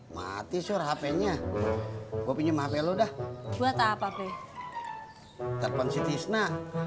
mati suruh hpnya gue pinjem hp lu dah buat apa bebe pencet isna